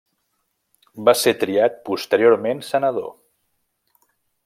Va ser triat posteriorment senador.